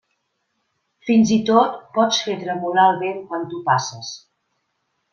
Fins i tot pots fer tremolar el vent quan tu passes.